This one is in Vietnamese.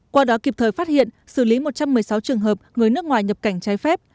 qua đó kịp thời phát hiện xử lý một trăm một mươi sáu trường hợp người nước ngoài nhập cảnh trái phép